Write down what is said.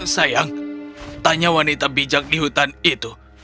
sayang tanya wanita bijak di hutan itu